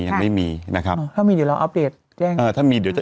ยังไม่มีนะครับเขามีเดี๋ยวเราอัพเดทแจ้งเออถ้ามีเดี๋ยวเดี๋ยวจะ